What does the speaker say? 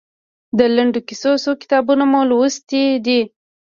د لنډو کیسو څو کتابونه مو لوستي دي؟